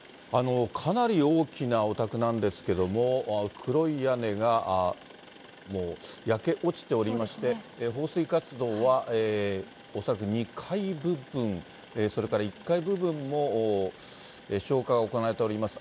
かなり大きなお宅なんですけども、黒い屋根がもう、焼け落ちておりまして、放水活動は恐らく２階部分、それから１階部分も消火が行われております。